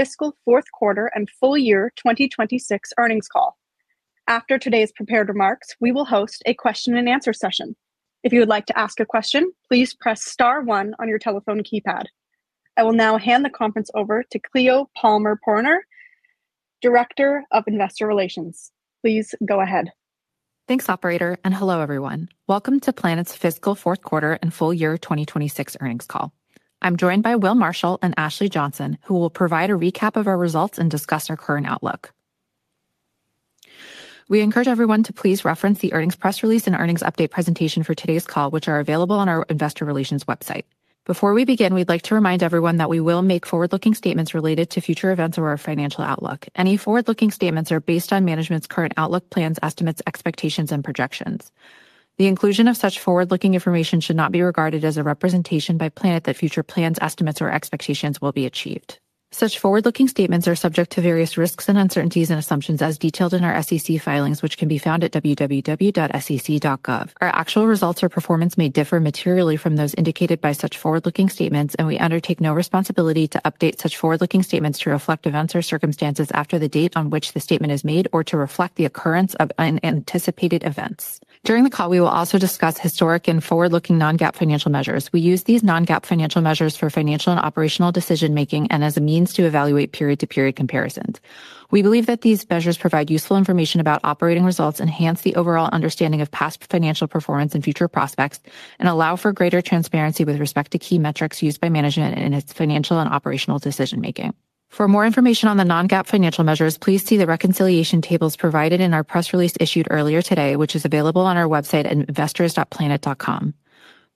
Fiscal fourth quarter and full year 2026 earnings call. After today's prepared remarks, we will host a question and answer session. If you would like to ask a question, please press star one on your telephone keypad. I will now hand the conference over to Cleo Palmer-Poroner, Director of Investor Relations. Please go ahead. Thanks, operator, and hello, everyone. Welcome to Planet's fiscal fourth quarter and full year 2026 earnings call. I'm joined by Will Marshall and Ashley Johnson, who will provide a recap of our results and discuss our current outlook. We encourage everyone to please reference the earnings press release and earnings update presentation for today's call, which are available on our investor relations website. Before we begin, we'd like to remind everyone that we will make forward-looking statements related to future events or our financial outlook. Any forward-looking statements are based on management's current outlook, plans, estimates, expectations and projections. The inclusion of such forward-looking information should not be regarded as a representation by Planet that future plans, estimates or expectations will be achieved. Such forward-looking statements are subject to various risks and uncertainties and assumptions as detailed in our SEC filings, which can be found at www.sec.gov. Our actual results or performance may differ materially from those indicated by such forward-looking statements, and we undertake no responsibility to update such forward-looking statements to reflect events or circumstances after the date on which the statement is made or to reflect the occurrence of unanticipated events. During the call, we will also discuss historic and forward-looking non-GAAP financial measures. We use these non-GAAP financial measures for financial and operational decision-making and as a means to evaluate period-to-period comparisons. We believe that these measures provide useful information about operating results, enhance the overall understanding of past financial performance and future prospects, and allow for greater transparency with respect to key metrics used by management in its financial and operational decision-making. For more information on the non-GAAP financial measures, please see the reconciliation tables provided in our press release issued earlier today, which is available on our website at investors.planet.com.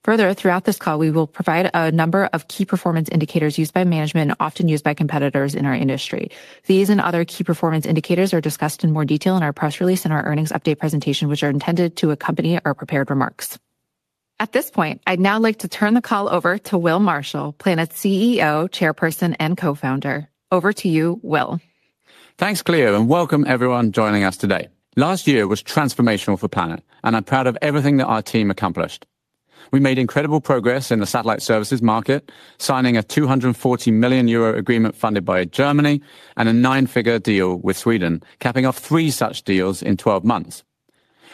Further, throughout this call, we will provide a number of key performance indicators used by management and often used by competitors in our industry. These and other key performance indicators are discussed in more detail in our press release and our earnings update presentation, which are intended to accompany our prepared remarks. At this point, I'd now like to turn the call over to Will Marshall, Planet's CEO, Chairperson, and Co-founder. Over to you, Will. Thanks, Cleo, and welcome everyone joining us today. Last year was transformational for Planet, and I'm proud of everything that our team accomplished. We made incredible progress in the satellite services market, signing a 240 million euro agreement funded by Germany and a nine-figure deal with Sweden, capping off three such deals in 12 months.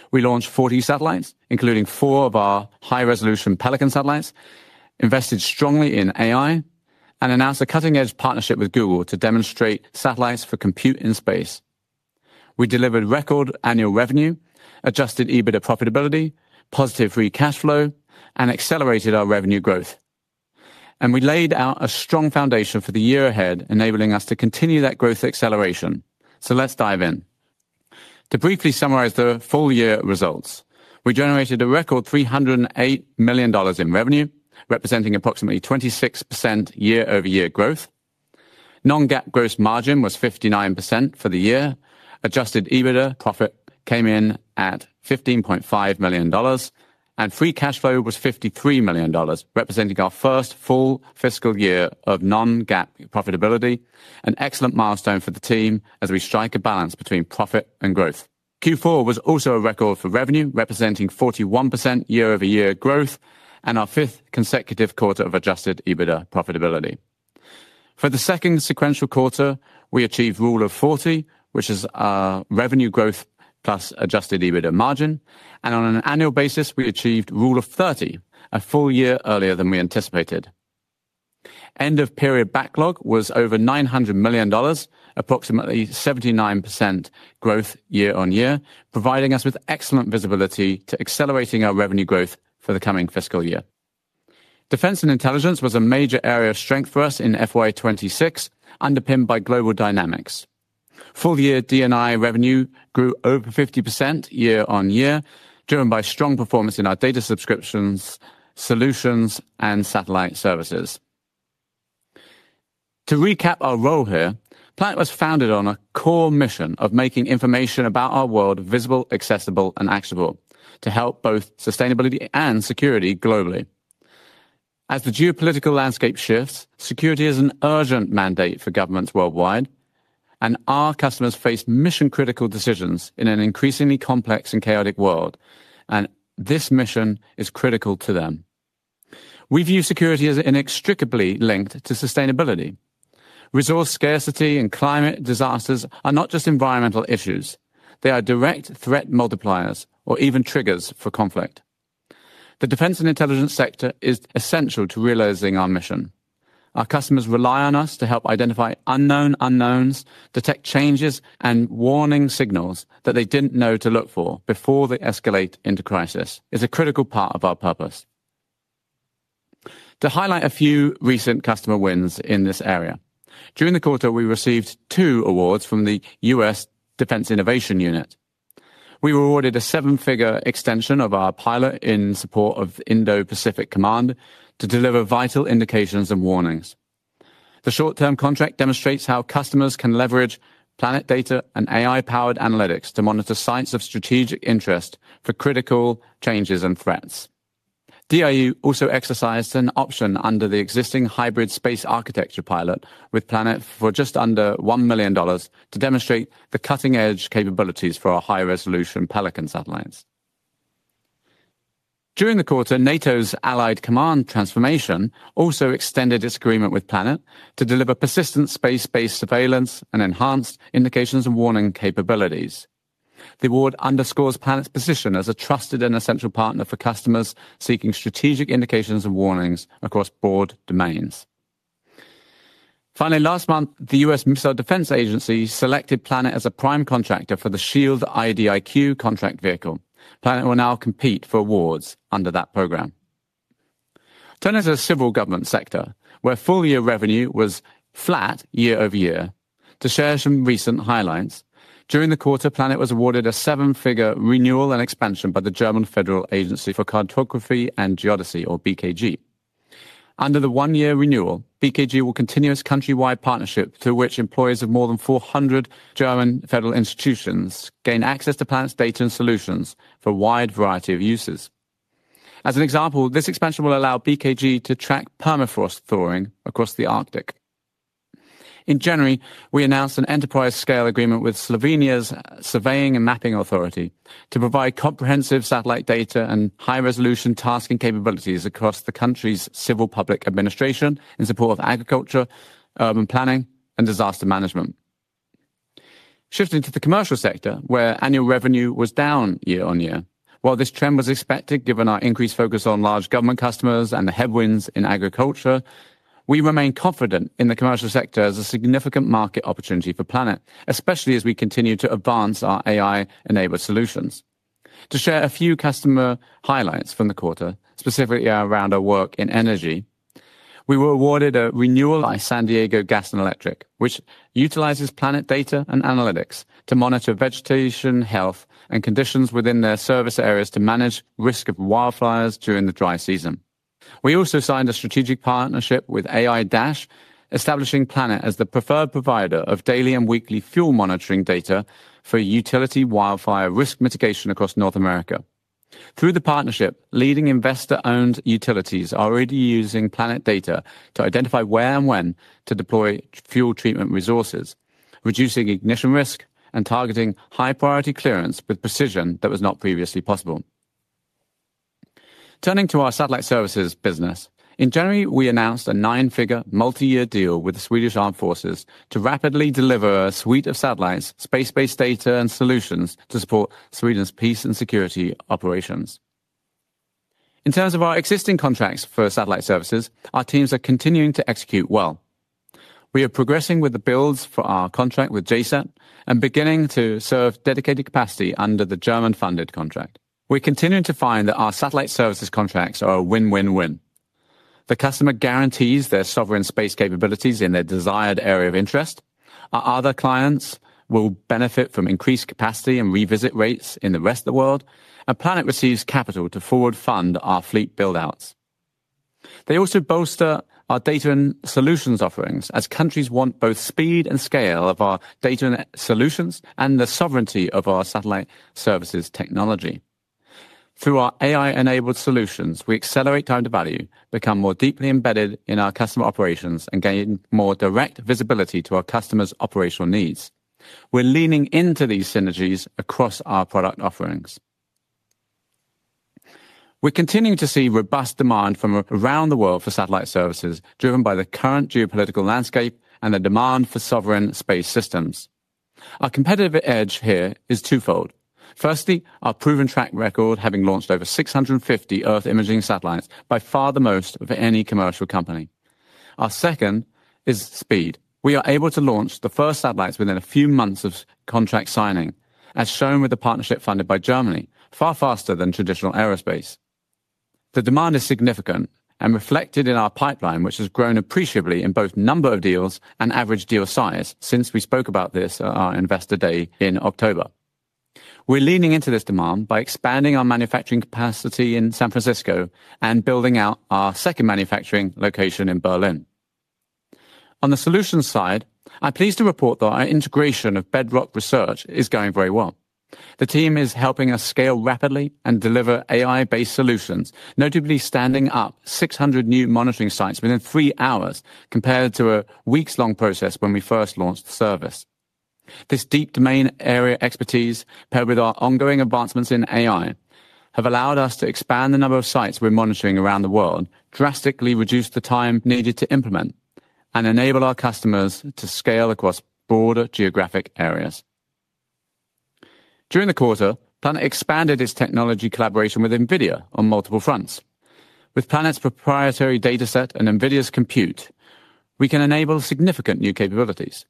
We launched 40 satellites, including four of our high-resolution Pelican satellites, invested strongly in AI and announced a cutting-edge partnership with Google to demonstrate satellites for compute in space. We delivered record annual revenue, Adjusted EBITDA profitability, positive free cash flow and accelerated our revenue growth. We laid out a strong foundation for the year ahead, enabling us to continue that growth acceleration. Let's dive in. To briefly summarize the full year results, we generated a record $308 million in revenue, representing approximately 26% year-over-year growth. Non-GAAP gross margin was 59% for the year. Adjusted EBITDA profit came in at $15.5 million and free cash flow was $53 million, representing our first full fiscal year of non-GAAP profitability, an excellent milestone for the team as we strike a balance between profit and growth. Q4 was also a record for revenue, representing 41% year-over-year growth and our fifth consecutive quarter of Adjusted EBITDA profitability. For the second sequential quarter, we achieved Rule of 40, which is our revenue growth plus Adjusted EBITDA margin, and on an annual basis we achieved Rule of 30, a full year earlier than we anticipated. End-of-period backlog was over $900 million, approximately 79% growth year-on-year, providing us with excellent visibility to accelerating our revenue growth for the coming fiscal year. Defense and intelligence was a major area of strength for us in FY 2026, underpinned by global dynamics. Full-year D&I revenue grew over 50% year-on-year, driven by strong performance in our data subscriptions, solutions and satellite services. To recap our role here, Planet was founded on a core mission of making information about our world visible, accessible and actionable to help both sustainability and security globally. As the geopolitical landscape shifts, security is an urgent mandate for governments worldwide, and our customers face mission-critical decisions in an increasingly complex and chaotic world, and this mission is critical to them. We view security as inextricably linked to sustainability. Resource scarcity and climate disasters are not just environmental issues. They are direct threat multipliers or even triggers for conflict. The defense and intelligence sector is essential to realizing our mission. Our customers rely on us to help identify unknown unknowns, detect changes and warning signals that they didn't know to look for before they escalate into crisis, is a critical part of our purpose. To highlight a few recent customer wins in this area, during the quarter, we received two awards from the U.S. Defense Innovation Unit. We were awarded a seven-figure extension of our pilot in support of Indo-Pacific Command to deliver vital indications and warnings. The short-term contract demonstrates how customers can leverage Planet data and AI-powered analytics to monitor sites of strategic interest for critical changes and threats. DIU also exercised an option under the existing Hybrid Space Architecture pilot with Planet for just under $1 million to demonstrate the cutting-edge capabilities for our high-resolution Pelican satellites. During the quarter, NATO's Allied Command Transformation also extended its agreement with Planet to deliver persistent space-based surveillance and enhanced indications and warning capabilities. The award underscores Planet's position as a trusted and essential partner for customers seeking strategic indications and warnings across broad domains. Finally, last month, the U.S. Missile Defense Agency selected Planet as a prime contractor for the SHIELD IDIQ contract vehicle. Planet will now compete for awards under that program. Turning to the civil government sector, where full-year revenue was flat year-over-year. To share some recent highlights, during the quarter, Planet was awarded a seven-figure renewal and expansion by the German Federal Agency for Cartography and Geodesy, or BKG. Under the one-year renewal, BKG will continue its country-wide partnership to which employees of more than 400 German federal institutions gain access to Planet's data and solutions for a wide variety of uses. As an example, this expansion will allow BKG to track permafrost thawing across the Arctic. In January, we announced an enterprise-scale agreement with Slovenia's Surveying and Mapping Authority to provide comprehensive satellite data and high-resolution tasking capabilities across the country's civil public administration in support of agriculture, urban planning, and disaster management. Shifting to the commercial sector, where annual revenue was down year-over-year. While this trend was expected, given our increased focus on large government customers and the headwinds in agriculture, we remain confident in the commercial sector as a significant market opportunity for Planet, especially as we continue to advance our AI-enabled solutions. To share a few customer highlights from the quarter, specifically around our work in energy, we were awarded a renewal by San Diego Gas & Electric, which utilizes Planet data and analytics to monitor vegetation health and conditions within their service areas to manage risk of wildfires during the dry season. We also signed a strategic partnership with AiDash, establishing Planet as the preferred provider of daily and weekly fuel monitoring data for utility wildfire risk mitigation across North America. Through the partnership, leading investor-owned utilities are already using Planet data to identify where and when to deploy fuel treatment resources, reducing ignition risk and targeting high-priority clearance with precision that was not previously possible. Turning to our satellite services business. In January, we announced a nine-figure multi-year deal with the Swedish Armed Forces to rapidly deliver a suite of satellites, space-based data and solutions to support Sweden's peace and security operations. In terms of our existing contracts for satellite services, our teams are continuing to execute well. We are progressing with the builds for our contract with JSAT and beginning to serve dedicated capacity under the German-funded contract. We're continuing to find that our satellite services contracts are a win-win-win. The customer guarantees their sovereign space capabilities in their desired area of interest. Our other clients will benefit from increased capacity and revisit rates in the rest of the world. Planet receives capital to forward fund our fleet build-outs. They also bolster our data and solutions offerings as countries want both speed and scale of our data and solutions and the sovereignty of our satellite services technology. Through our AI-enabled solutions, we accelerate time to value, become more deeply embedded in our customer operations, and gain more direct visibility to our customers' operational needs. We're leaning into these synergies across our product offerings. We're continuing to see robust demand from around the world for satellite services, driven by the current geopolitical landscape and the demand for sovereign space systems. Our competitive edge here is twofold. Firstly, our proven track record, having launched over 650 Earth imaging satellites, by far the most of any commercial company. Our second is speed. We are able to launch the first satellites within a few months of contract signing, as shown with the partnership funded by Germany, far faster than traditional aerospace. The demand is significant and reflected in our pipeline, which has grown appreciably in both number of deals and average deal size since we spoke about this at our Investor Day in October. We're leaning into this demand by expanding our manufacturing capacity in San Francisco and building out our second manufacturing location in Berlin. On the solutions side, I'm pleased to report that our integration of Bedrock Research is going very well. The team is helping us scale rapidly and deliver AI-based solutions, notably standing up 600 new monitoring sites within three hours compared to a weeks-long process when we first launched the service. This deep domain area expertise, paired with our ongoing advancements in AI, have allowed us to expand the number of sites we're monitoring around the world, drastically reduce the time needed to implement, and enable our customers to scale across broader geographic areas. During the quarter, Planet expanded its technology collaboration with NVIDIA on multiple fronts. With Planet's proprietary data set and NVIDIA's compute, we can enable significant new capabilities.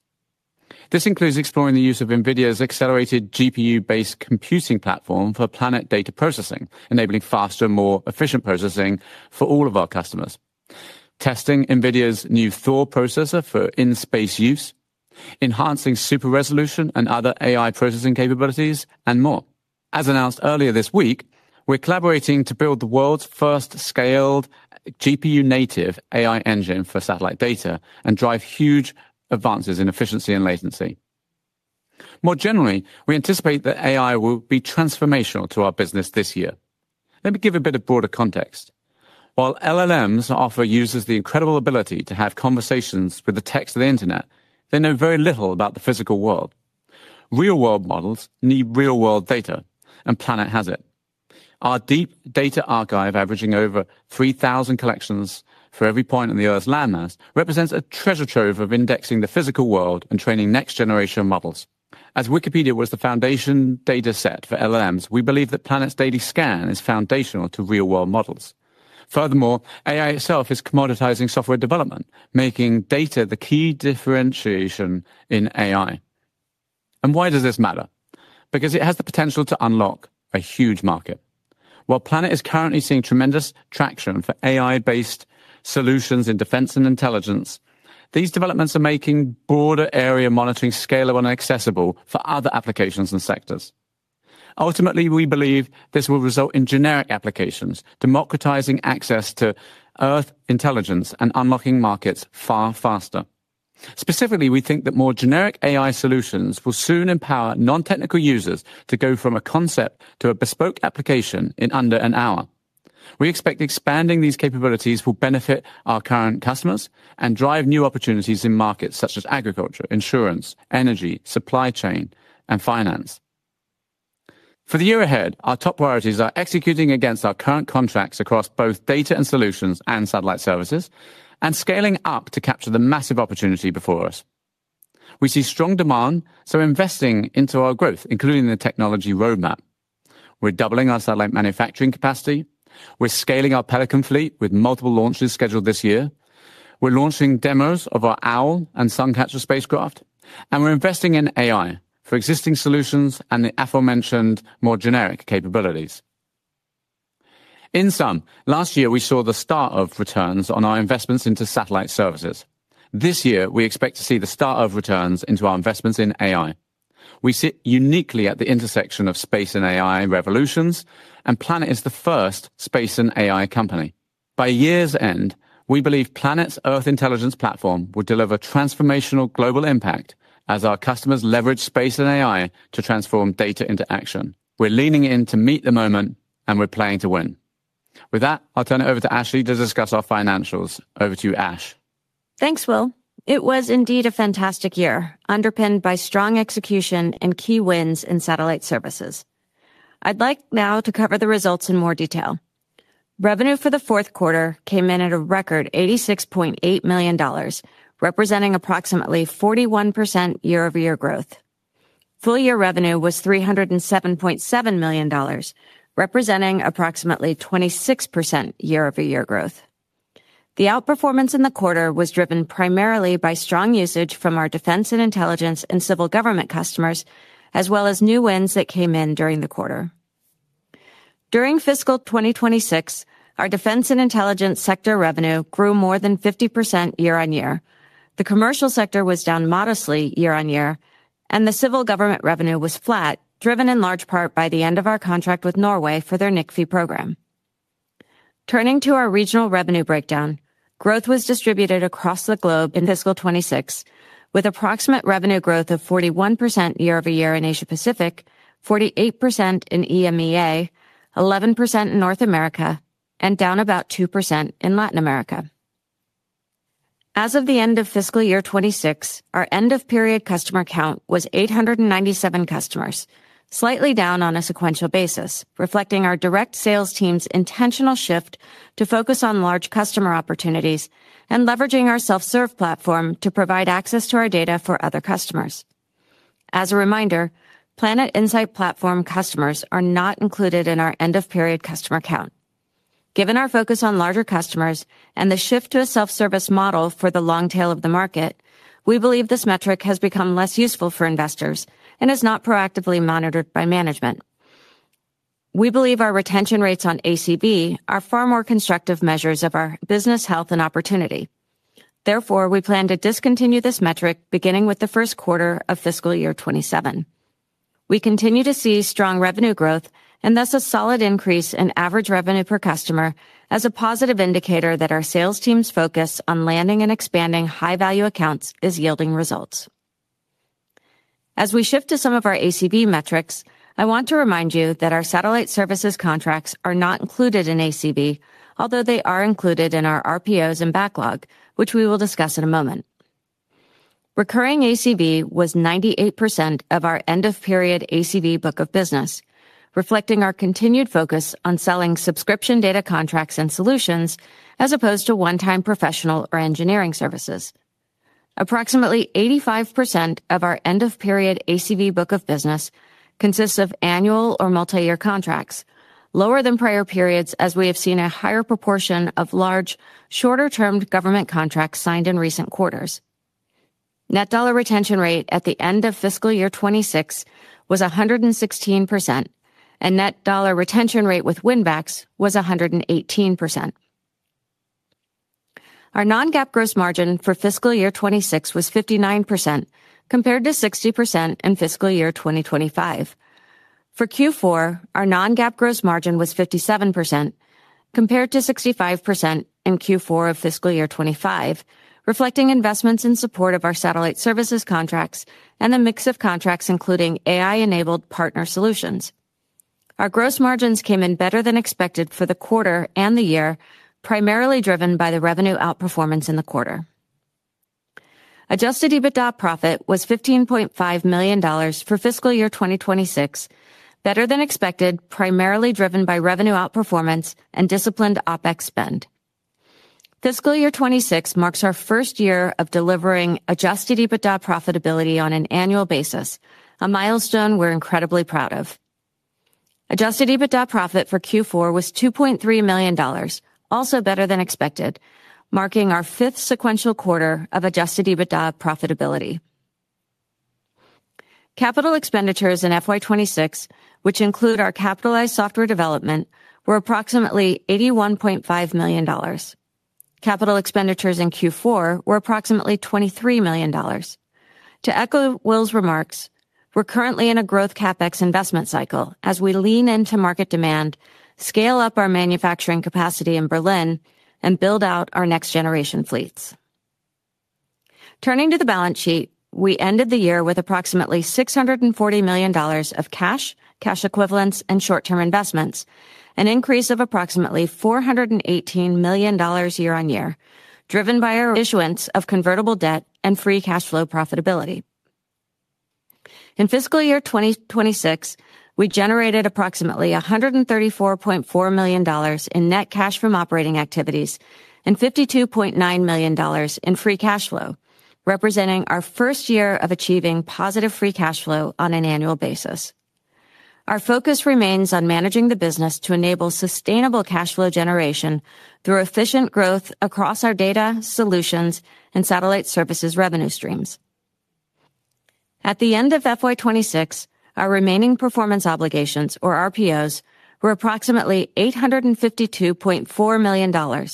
This includes exploring the use of NVIDIA's accelerated GPU-based computing platform for Planet data processing, enabling faster, more efficient processing for all of our customers. Testing NVIDIA's new Thor processor for in-space use, enhancing super resolution and other AI processing capabilities, and more. As announced earlier this week, we're collaborating to build the world's first scaled GPU native AI engine for satellite data and drive huge advances in efficiency and latency. More generally, we anticipate that AI will be transformational to our business this year. Let me give a bit of broader context. While LLMs offer users the incredible ability to have conversations with the text of the internet, they know very little about the physical world. Real-world models need real-world data, and Planet has it. Our deep data archive averaging over 3,000 collections for every point on the Earth's landmass represents a treasure trove of indexing the physical world and training next-generation models. As Wikipedia was the foundation data set for LLMs, we believe that Planet's daily scan is foundational to real-world models. Furthermore, AI itself is commoditizing software development, making data the key differentiation in AI. Why does this matter? Because it has the potential to unlock a huge market. While Planet is currently seeing tremendous traction for AI-based solutions in defense and intelligence, these developments are making broader area monitoring scalable and accessible for other applications and sectors. Ultimately, we believe this will result in generic applications, democratizing access to Earth intelligence and unlocking markets far faster. Specifically, we think that more generic AI solutions will soon empower non-technical users to go from a concept to a bespoke application in under an hour. We expect expanding these capabilities will benefit our current customers and drive new opportunities in markets such as agriculture, insurance, energy, supply chain, and finance. For the year ahead, our top priorities are executing against our current contracts across both data and solutions and satellite services, and scaling up to capture the massive opportunity before us. We see strong demand, so we're investing into our growth, including the technology roadmap. We're doubling our satellite manufacturing capacity. We're scaling our Pelican fleet with multiple launches scheduled this year. We're launching demos of our Owl and Suncatcher spacecraft, and we're investing in AI for existing solutions and the aforementioned more generic capabilities. In sum, last year we saw the start of returns on our investments into satellite services. This year, we expect to see the start of returns into our investments in AI. We sit uniquely at the intersection of space and AI revolutions, and Planet is the first space and AI company. By year's end, we believe Planet's Earth Intelligence platform will deliver transformational global impact as our customers leverage space and AI to transform data into action. We're leaning in to meet the moment and we're playing to win. With that, I'll turn it over to Ashley to discuss our financials. Over to you, Ash. Thanks, Will. It was indeed a fantastic year, underpinned by strong execution and key wins in satellite services. I'd like now to cover the results in more detail. Revenue for the fourth quarter came in at a record $86.8 million, representing approximately 41% year-over-year growth. Full year revenue was $307.7 million, representing approximately 26% year-over-year growth. The outperformance in the quarter was driven primarily by strong usage from our defense and intelligence and civil government customers, as well as new wins that came in during the quarter. During fiscal 2026, our defense and intelligence sector revenue grew more than 50% year-over-year. The commercial sector was down modestly year-over-year, and the civil government revenue was flat, driven in large part by the end of our contract with Norway for their NICFI program. Turning to our regional revenue breakdown, growth was distributed across the globe in fiscal 2026, with approximate revenue growth of 41% year over year in Asia Pacific, 48% in EMEA, 11% in North America, and down about 2% in Latin America. As of the end of fiscal year 2026, our end of period customer count was 897 customers, slightly down on a sequential basis, reflecting our direct sales team's intentional shift to focus on large customer opportunities and leveraging our self-serve platform to provide access to our data for other customers. As a reminder, Planet Insights Platform customers are not included in our end of period customer count. Given our focus on larger customers and the shift to a self-service model for the long tail of the market, we believe this metric has become less useful for investors and is not proactively monitored by management. We believe our retention rates on ACV are far more constructive measures of our business health and opportunity. Therefore, we plan to discontinue this metric beginning with the first quarter of fiscal year 2027. We continue to see strong revenue growth and thus a solid increase in average revenue per customer as a positive indicator that our sales team's focus on landing and expanding high value accounts is yielding results. As we shift to some of our ACV metrics, I want to remind you that our satellite services contracts are not included in ACV, although they are included in our RPOs and backlog, which we will discuss in a moment. Recurring ACV was 98% of our end of period ACV book of business, reflecting our continued focus on selling subscription data contracts and solutions as opposed to one-time professional or engineering services. Approximately 85% of our end of period ACV book of business consists of annual or multi-year contracts, lower than prior periods as we have seen a higher proportion of large, shorter-termed government contracts signed in recent quarters. Net dollar retention rate at the end of fiscal year 2026 was 116%, and net dollar retention rate with win backs was 118%. Our non-GAAP gross margin for fiscal year 2026 was 59% compared to 60% in fiscal year 2025. For Q4, our non-GAAP gross margin was 57% compared to 65% in Q4 of fiscal year 2025, reflecting investments in support of our satellite services contracts and a mix of contracts including AI-enabled partner solutions. Our gross margins came in better than expected for the quarter and the year, primarily driven by the revenue outperformance in the quarter. Adjusted EBITDA profit was $15.5 million for fiscal year 2026, better than expected, primarily driven by revenue outperformance and disciplined OpEx spend. Fiscal year 2026 marks our first year of delivering Adjusted EBITDA profitability on an annual basis, a milestone we're incredibly proud of. Adjusted EBITDA profit for Q4 was $2.3 million, also better than expected, marking our fifth sequential quarter of Adjusted EBITDA profitability. Capital expenditures in FY 2026, which include our capitalized software development, were approximately $81.5 million. Capital expenditures in Q4 were approximately $23 million. To echo Will's remarks, we're currently in a growth CapEx investment cycle as we lean into market demand, scale up our manufacturing capacity in Berlin, and build out our next-generation fleets. Turning to the balance sheet, we ended the year with approximately $640 million of cash equivalents, and short-term investments, an increase of approximately $418 million year-on-year, driven by our issuance of convertible debt and free cash flow profitability. In fiscal year 2026, we generated approximately $134.4 million in net cash from operating activities and $52.9 million in free cash flow, representing our first year of achieving positive free cash flow on an annual basis. Our focus remains on managing the business to enable sustainable cash flow generation through efficient growth across our data, solutions, and satellite services revenue streams. At the end of FY 2026, our remaining performance obligations, or RPOs, were approximately $852.4 million,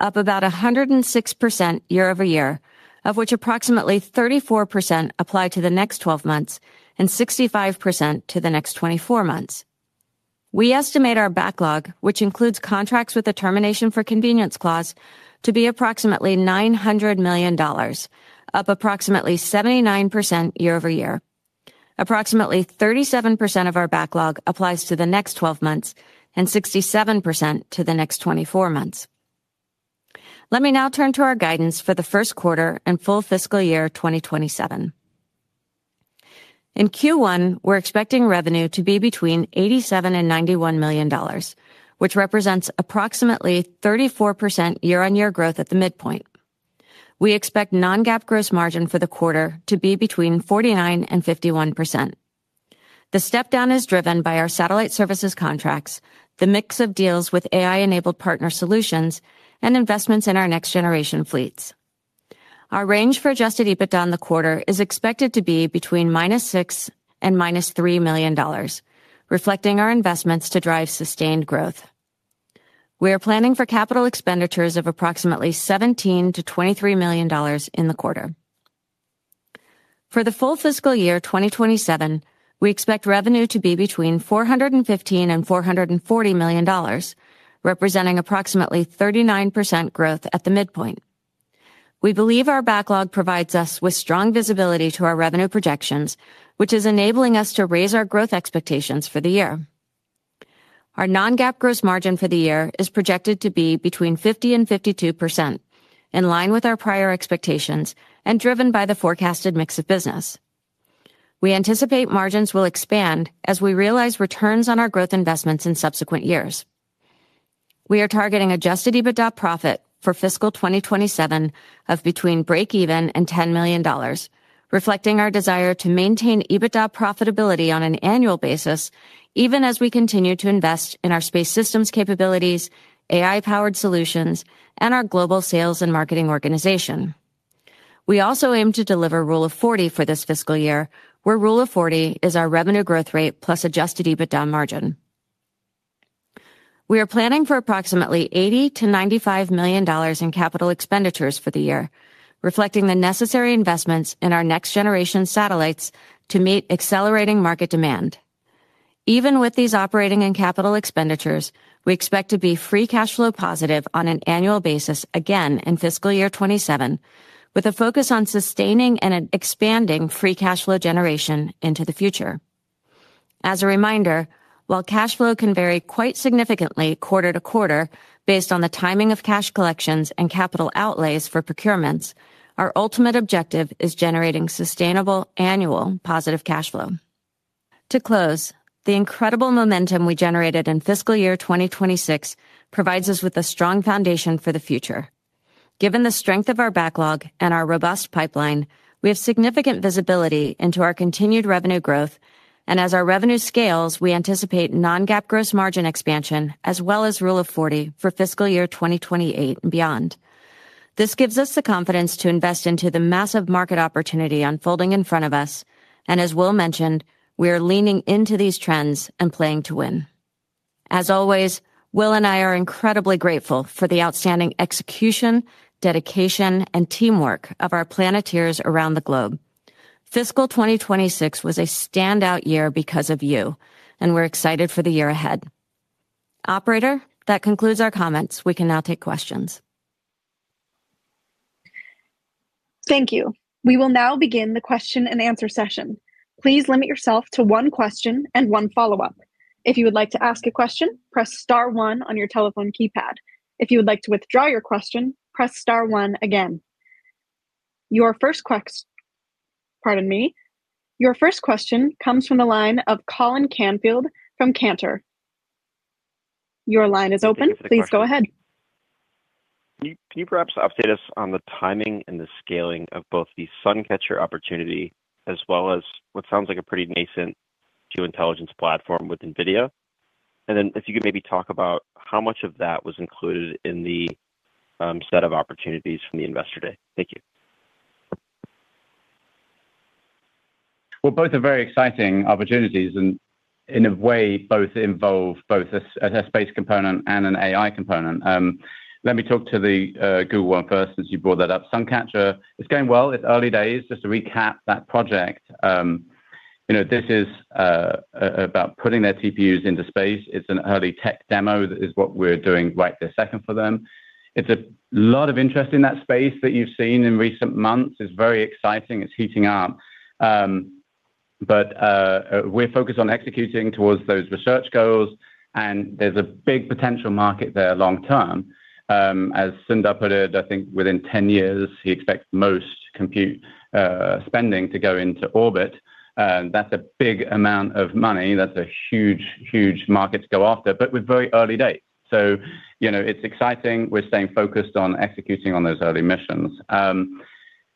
up about 106% year-over-year, of which approximately 34% apply to the next twelve months and 65% to the next twenty-four months. We estimate our backlog, which includes contracts with the termination for convenience clause, to be approximately $900 million, up approximately 79% year-over-year. Approximately 37% of our backlog applies to the next 12 months and 67% to the next 24 months. Let me now turn to our guidance for the first quarter and full fiscal year 2027. In Q1, we're expecting revenue to be between $87 million and $91 million, which represents approximately 34% year-on-year growth at the midpoint. We expect non-GAAP gross margin for the quarter to be between 49% and 51%. The step-down is driven by our satellite services contracts, the mix of deals with AI-enabled partner solutions, and investments in our next-generation fleets. Our range for Adjusted EBITDA in the quarter is expected to be between -$6 million and -$3 million, reflecting our investments to drive sustained growth. We are planning for capital expenditures of approximately $17 million-$23 million in the quarter. For the full fiscal year 2027, we expect revenue to be between $415 million and $440 million, representing approximately 39% growth at the midpoint. We believe our backlog provides us with strong visibility to our revenue projections, which is enabling us to raise our growth expectations for the year. Our non-GAAP gross margin for the year is projected to be between 50% and 52%, in line with our prior expectations and driven by the forecasted mix of business. We anticipate margins will expand as we realize returns on our growth investments in subsequent years. We are targeting Adjusted EBITDA profit for fiscal 2027 of between breakeven and $10 million, reflecting our desire to maintain EBITDA profitability on an annual basis, even as we continue to invest in our space systems capabilities, AI-powered solutions, and our global sales and marketing organization. We also aim to deliver Rule of 40 for this fiscal year, where Rule of 40 is our revenue growth rate plus Adjusted EBITDA margin. We are planning for approximately $80 million-$95 million in capital expenditures for the year, reflecting the necessary investments in our next-generation satellites to meet accelerating market demand. Even with these operating and capital expenditures, we expect to be free cash flow positive on an annual basis again in fiscal year 2027, with a focus on sustaining and expanding free cash flow generation into the future. As a reminder, while cash flow can vary quite significantly quarter to quarter based on the timing of cash collections and capital outlays for procurements, our ultimate objective is generating sustainable annual positive cash flow. To close, the incredible momentum we generated in fiscal year 2026 provides us with a strong foundation for the future. Given the strength of our backlog and our robust pipeline, we have significant visibility into our continued revenue growth, and as our revenue scales, we anticipate non-GAAP gross margin expansion as well as Rule of 40 for fiscal year 2028 and beyond. This gives us the confidence to invest into the massive market opportunity unfolding in front of us, and as Will mentioned, we are leaning into these trends and playing to win. As always, Will and I are incredibly grateful for the outstanding execution, dedication, and teamwork of our Planeteers around the globe. Fiscal 2026 was a standout year because of you, and we're excited for the year ahead. Operator, that concludes our comments. We can now take questions. Thank you. We will now begin the question-and-answer session. Please limit yourself to one question and one follow-up. If you would like to ask a question, press star one on your telephone keypad. If you would like to withdraw your question, press star one again. Pardon me. Your first question comes from the line of Colin Canfield from Cantor. Your line is open. Please go ahead. Can you perhaps update us on the timing and the scaling of both the Suncatcher opportunity as well as what sounds like a pretty nascent geointelligence platform with NVIDIA? If you could maybe talk about how much of that was included in the set of opportunities from the Investor Day. Thank you. Well, both are very exciting opportunities and in a way, both involve both a space component and an AI component. Let me talk to the Google one first since you brought that up. Suncatcher, it's going well. It's early days. Just to recap that project, you know, this is about putting their TPUs into space. It's an early tech demo. That is what we're doing right this second for them. There's a lot of interest in that space that you've seen in recent months. It's very exciting. It's heating up. But we're focused on executing towards those research goals, and there's a big potential market there long term. As Sundar put it, I think within 10 years, he expects most compute spending to go into orbit. That's a big amount of money. That's a huge market to go after, but we're very early days. You know, it's exciting. We're staying focused on executing on those early missions.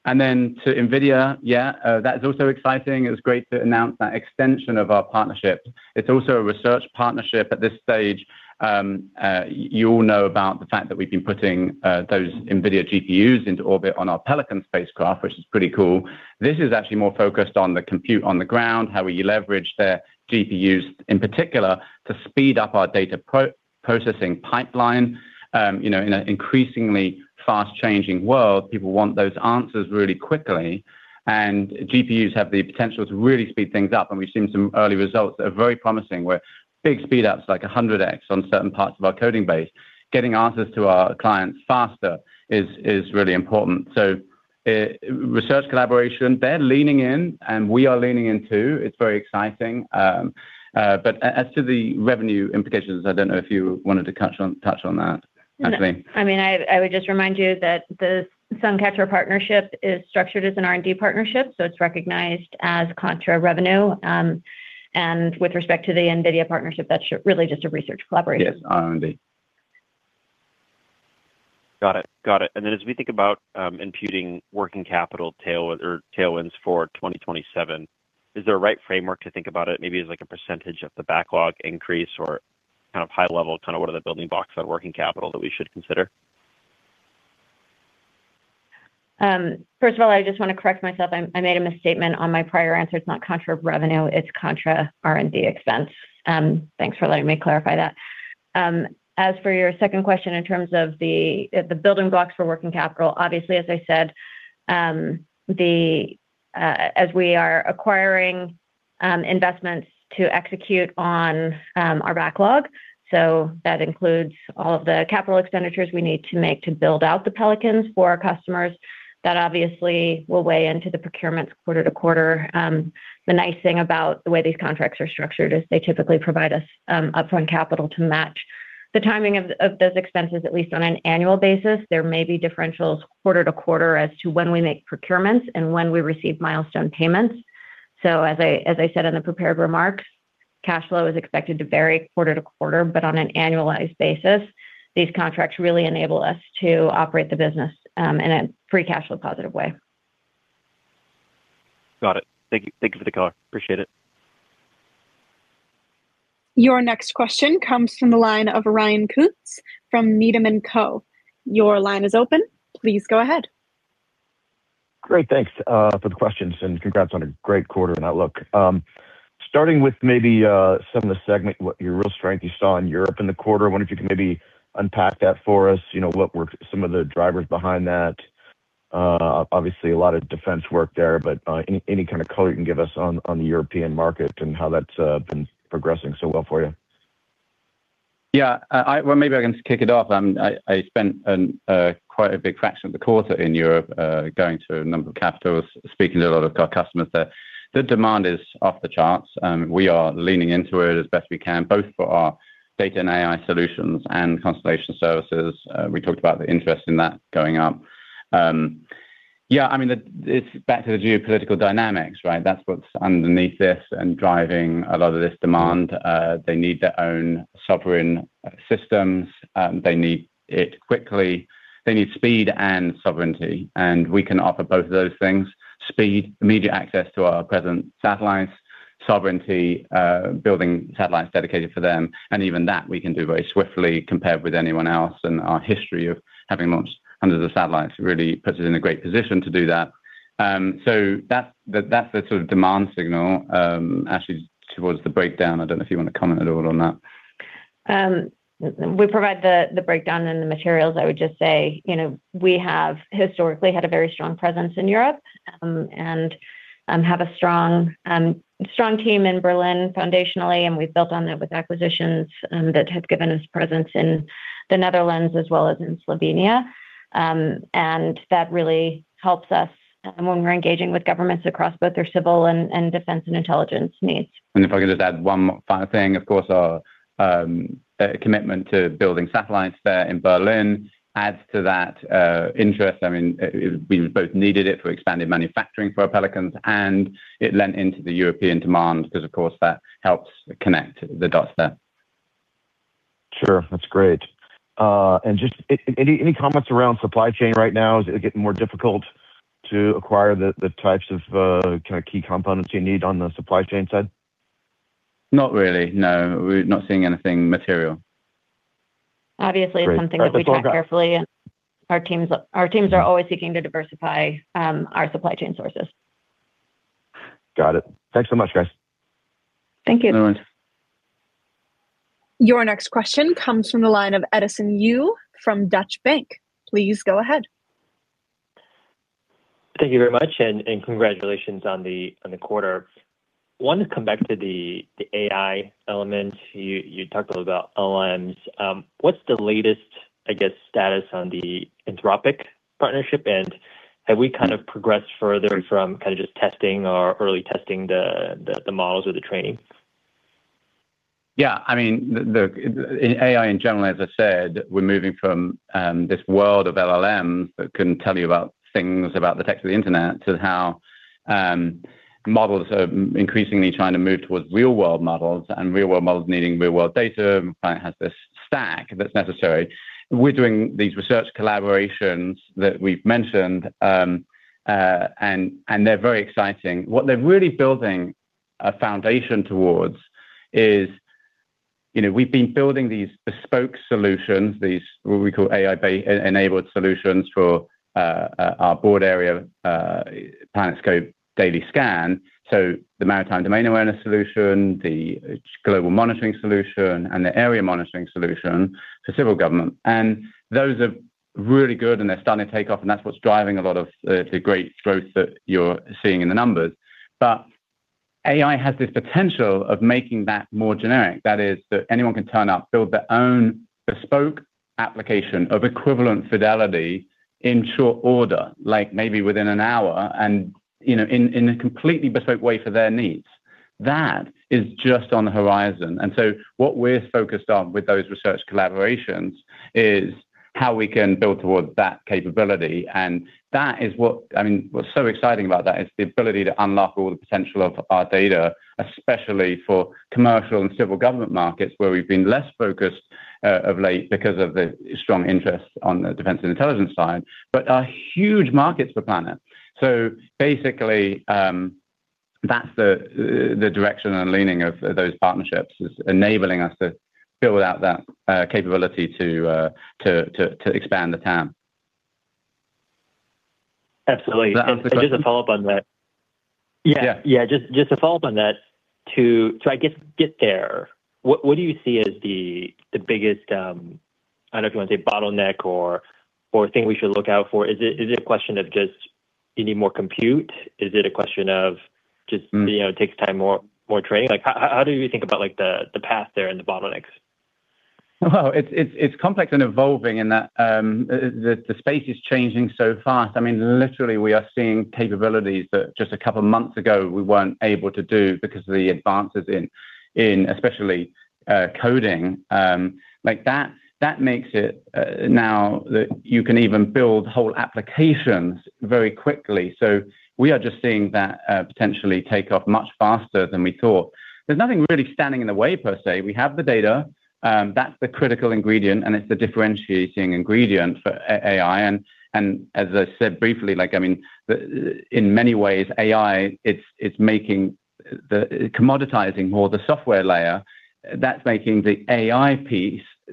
To NVIDIA, yeah, that is also exciting. It was great to announce that extension of our partnership. It's also a research partnership at this stage. You all know about the fact that we've been putting those NVIDIA GPUs into orbit on our Pelican spacecraft, which is pretty cool. This is actually more focused on the compute on the ground, how we leverage their GPUs, in particular, to speed up our data preprocessing pipeline. You know, in an increasingly fast-changing world, people want those answers really quickly. GPUs have the potential to really speed things up, and we've seen some early results that are very promising, where big speedups, like 100x on certain parts of our coding base. Getting answers to our clients faster is really important. AI research collaboration, they're leaning in, and we are leaning in too. It's very exciting. But as to the revenue implications, I don't know if you wanted to touch on that, Ashley. No, I mean, I would just remind you that the Suncatcher partnership is structured as an R&D partnership, so it's recognized as contra revenue. With respect to the NVIDIA partnership, that's really just a research collaboration. Yes. R&D. Got it. Then as we think about imputing working capital tailwinds for 2027, is there a right framework to think about it maybe as like a percentage of the backlog increase or kind of high level, kind of what are the building blocks of working capital that we should consider? First of all, I just want to correct myself. I made a misstatement on my prior answer. It's not contra revenue, it's contra R&D expense. Thanks for letting me clarify that. As for your second question, in terms of the building blocks for working capital, obviously, as I said, as we are acquiring investments to execute on our backlog, so that includes all of the capital expenditures we need to make to build out the Pelicans for our customers. That obviously will weigh into the procurements quarter to quarter. The nice thing about the way these contracts are structured is they typically provide us upfront capital to match the timing of those expenses, at least on an annual basis. There may be differentials quarter to quarter as to when we make procurements and when we receive milestone payments. As I said in the prepared remarks, cash flow is expected to vary quarter to quarter, but on an annualized basis, these contracts really enable us to operate the business in a free cash flow positive way. Got it. Thank you. Thank you for the color. Appreciate it. Your next question comes from the line of Ryan Koontz from Needham & Company. Your line is open. Please go ahead. Great. Thanks for the questions and congrats on a great quarter and outlook. Starting with maybe some of the segment, what your real strength you saw in Europe in the quarter, I wonder if you can maybe unpack that for us. You know, what were some of the drivers behind that? Obviously a lot of defense work there, but any kind of color you can give us on the European market and how that's been progressing so well for you. Yeah. Well, maybe I can just kick it off. I spent quite a big fraction of the quarter in Europe, going to a number of capitals, speaking to a lot of our customers there. The demand is off the charts. We are leaning into it as best we can, both for our data and AI solutions and constellation services. We talked about the interest in that going up. Yeah, I mean, it's back to the geopolitical dynamics, right? That's what's underneath this and driving a lot of this demand. They need their own sovereign systems. They need it quickly. They need speed and sovereignty, and we can offer both of those things. Speed, immediate access to our Planet satellites. Sovereignty, building satellites dedicated for them. Even that we can do very swiftly compared with anyone else. Our history of having launched hundreds of satellites really puts us in a great position to do that. That's the sort of demand signal. Ashley, toward the breakdown, I don't know if you want to comment at all on that. We provide the breakdown in the materials. I would just say, you know, we have historically had a very strong presence in Europe, and have a strong team in Berlin foundationally, and we've built on that with acquisitions that have given us presence in the Netherlands as well as in Slovenia. That really helps us when we're engaging with governments across both their civil and defense and intelligence needs. If I could just add one more final thing, of course, our commitment to building satellites there in Berlin adds to that interest. I mean, we both needed it for expanded manufacturing for our Pelicans, and it lent into the European demand because, of course, that helps connect the dots there. Sure. That's great. Just any comments around supply chain right now? Is it getting more difficult to acquire the types of kind of key components you need on the supply chain side? Not really, no. We're not seeing anything material. Obviously, it's something that we track carefully and our teams are always seeking to diversify our supply chain sources. Got it. Thanks so much, guys. Thank you. No worries. Your next question comes from the line of Edison Yu from Deutsche Bank. Please go ahead. Thank you very much and congratulations on the quarter. Wanted to come back to the AI element. You talked a little about LLMs. What's the latest, I guess, status on the Anthropic partnership, and have we kind of progressed further from kind of just testing or early testing the models or the training? Yeah, I mean, AI in general, as I said, we're moving from this world of LLMs that can tell you about things about the text of the internet to how models are increasingly trying to move towards real-world models and real-world models needing real-world data. Planet has this stack that's necessary. We're doing these research collaborations that we've mentioned, and they're very exciting. What they're really building a foundation towards is, you know, we've been building these bespoke solutions, these what we call AI-enabled solutions for our broad area PlanetScope daily scan. The maritime domain awareness solution, the global monitoring solution, and the area monitoring solution for civil government. Those are really good, and they're starting to take off, and that's what's driving a lot of the great growth that you're seeing in the numbers. AI has this potential of making that more generic. That is, that anyone can turn up, build their own bespoke application of equivalent fidelity in short order, like maybe within an hour, and, you know, in a completely bespoke way for their needs. That is just on the horizon. What we're focused on with those research collaborations is how we can build towards that capability. That is what I mean. What's so exciting about that is the ability to unlock all the potential of our data, especially for commercial and civil government markets where we've been less focused of late because of the strong interest on the defense and intelligence side. They are huge markets for Planet. Basically, that's the direction and leaning of those partnerships is enabling us to build out that capability to expand the TAM. Absolutely. Does that answer the question? Just a follow-up on that. Yeah. Yeah. Yeah, just a follow-up on that. To get there, I guess, what do you see as the biggest, I don't know if you want to say bottleneck or thing we should look out for? Is it a question of just you need more compute? Is it a question of just- Mm. You know, it takes time, more training? Like, how do you think about, like, the path there and the bottlenecks? Well, it's complex and evolving in that, the space is changing so fast. I mean, literally, we are seeing capabilities that just a couple of months ago we weren't able to do because of the advances in especially coding. Like that makes it, now that you can even build whole applications very quickly. We are just seeing that, potentially take off much faster than we thought. There's nothing really standing in the way per se. We have the data, that's the critical ingredient, and it's the differentiating ingredient for AI. As I said briefly, like, I mean, in many ways, AI, it's commoditizing the software layer more, that's making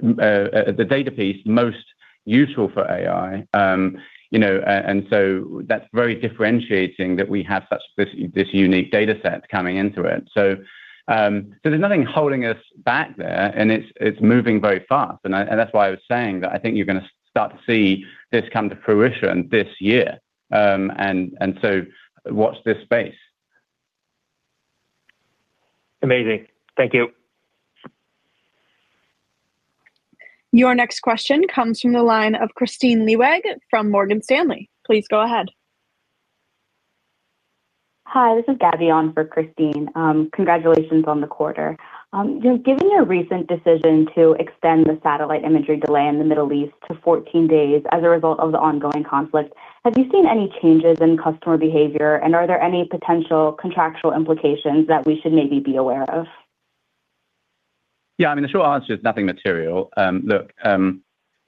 the data piece most useful for AI. You know, that's very differentiating that we have such this unique data set coming into it. There's nothing holding us back there. It's moving very fast. That's why I was saying that I think you're gonna start to see this come to fruition this year. Watch this space. Amazing. Thank you. Your next question comes from the line of Kristine Liwag from Morgan Stanley. Please go ahead. Hi, this is Gaby on for Kristine Liwag. Congratulations on the quarter. Just given your recent decision to extend the satellite imagery delay in the Middle East to 14 days as a result of the ongoing conflict, have you seen any changes in customer behavior, and are there any potential contractual implications that we should maybe be aware of? Yeah. I mean, the short answer is nothing material. Look,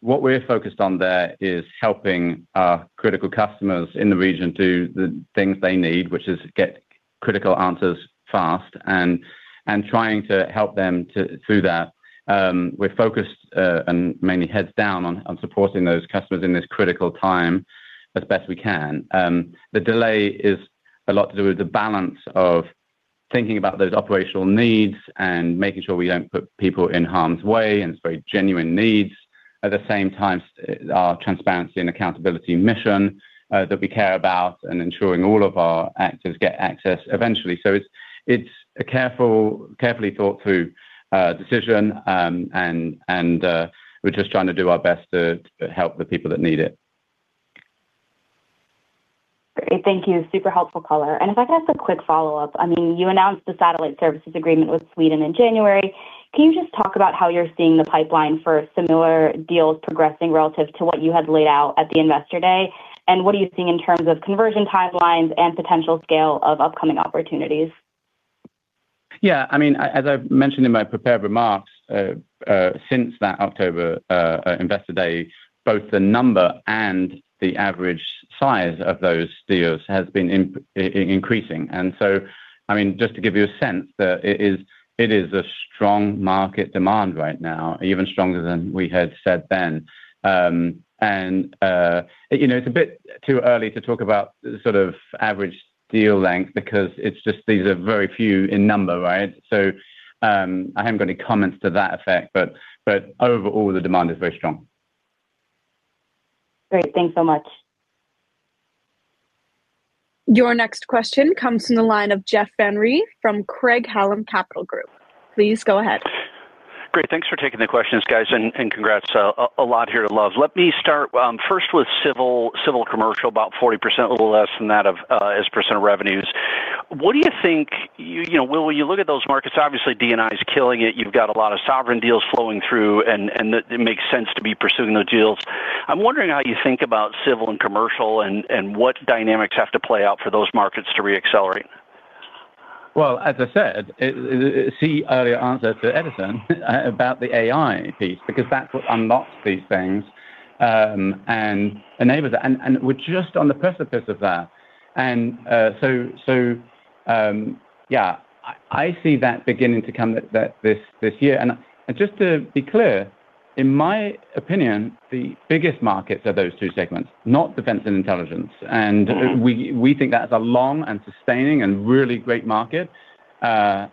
what we're focused on there is helping our critical customers in the region do the things they need, which is get critical answers fast and trying to help them through that. We're focused and mainly heads down on supporting those customers in this critical time as best we can. The delay is a lot to do with the balance of thinking about those operational needs and making sure we don't put people in harm's way, and it's very genuine needs. At the same time, our transparency and accountability mission that we care about and ensuring all of our actors get access eventually. It's a carefully thought through decision. We're just trying to do our best to help the people that need it. Great. Thank you. Super helpful color. If I could ask a quick follow-up. I mean, you announced the satellite services agreement with Sweden in January. Can you just talk about how you're seeing the pipeline for similar deals progressing relative to what you had laid out at the Investor Day? What are you seeing in terms of conversion timelines and potential scale of upcoming opportunities? Yeah, I mean, as I've mentioned in my prepared remarks, since that October Investor Day, both the number and the average size of those deals has been increasing. I mean, just to give you a sense that it is a strong market demand right now, even stronger than we had said then. You know, it's a bit too early to talk about sort of average deal length because it's just these are very few in number, right? I haven't got any comments to that effect, but overall, the demand is very strong. Great. Thanks so much. Your next question comes from the line of Jeff Van Rhee from Craig-Hallum Capital Group. Please go ahead. Great. Thanks for taking the questions, guys. Congrats, a lot here to love. Let me start first with civil commercial, about 40%, a little less than that as a percent of revenues. What do you think? You know, when you look at those markets, obviously DNI is killing it. You've got a lot of sovereign deals flowing through and it makes sense to be pursuing those deals. I'm wondering how you think about civil and commercial and what dynamics have to play out for those markets to reaccelerate. Well, as I said, see earlier answer to Edison about the AI piece, because that's what unlocks these things, and enables it. We're just on the precipice of that. Yeah, I see that beginning to come this year. Just to be clear, in my opinion, the biggest markets are those two segments, not defense and intelligence. Mm-hmm. We think that is a long and sustaining and really great market. The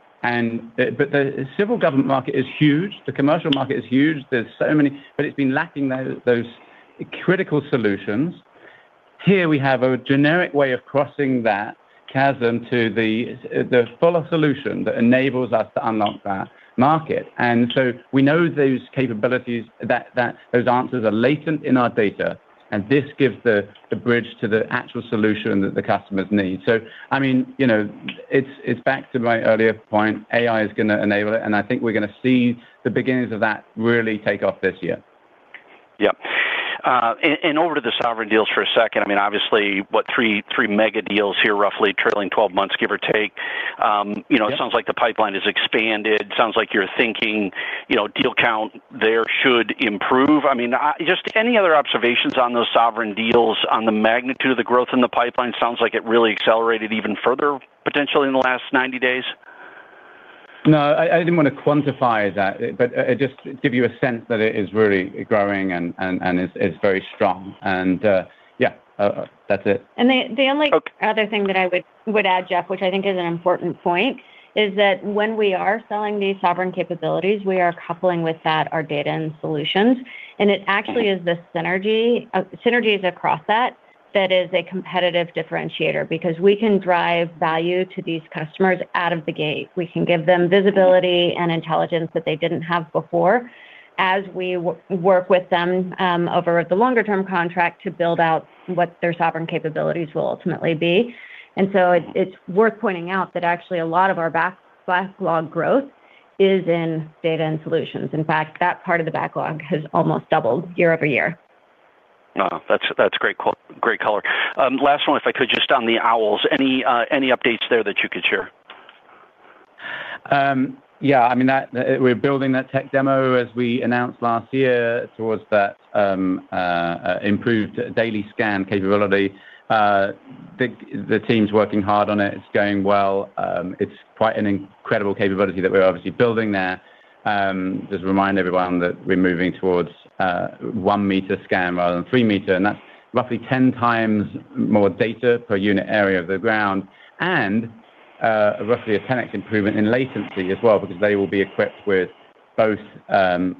civil government market is huge. The commercial market is huge. It's been lacking those critical solutions. Here we have a generic way of crossing that chasm to the fuller solution that enables us to unlock that market. We know those capabilities, that those answers are latent in our data, and this gives the bridge to the actual solution that the customers need. I mean, you know, it's back to my earlier point. AI is gonna enable it, and I think we're gonna see the beginnings of that really take off this year. Over to the sovereign deals for a second. I mean, obviously, three mega deals here, roughly trailing 12 months, give or take. You know Yeah. It sounds like the pipeline has expanded. Sounds like you're thinking, you know, deal count there should improve. I mean, just any other observations on those sovereign deals, on the magnitude of the growth in the pipeline? Sounds like it really accelerated even further potentially in the last 90 days. No, I didn't want to quantify that, but just give you a sense that it is really growing and it's very strong. Yeah, that's it. The only Okay. Another thing that I would add, Jeff, which I think is an important point, is that when we are selling these sovereign capabilities, we are coupling with that our data and solutions. It actually is the synergies across that that is a competitive differentiator because we can drive value to these customers out of the gate. We can give them visibility and intelligence that they didn't have before as we work with them over the longer term contract to build out what their sovereign capabilities will ultimately be. It's worth pointing out that actually a lot of our backlog growth is in data and solutions. In fact, that part of the backlog has almost doubled year-over-year. No, that's great color. Last one, if I could, just on the Owl. Any updates there that you could share? Yeah. I mean, we're building that tech demo as we announced last year towards that improved daily scan capability. The team's working hard on it. It's going well. It's quite an incredible capability that we're obviously building there. Just remind everyone that we're moving towards 1-meter scan rather than 3-meter, and that's roughly 10x more data per unit area of the ground and roughly a 10x improvement in latency as well, because they will be equipped with both